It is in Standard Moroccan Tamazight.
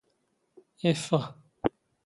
ⵉⴼⴼⵖ.